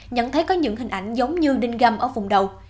nhận thấy có những hình ảnh giống như đinh găm ở vùng đầu